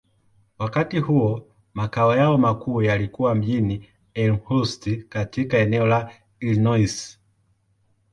Wakati huo, makao yao makuu yalikuwa mjini Elmhurst, katika eneo la Illinois.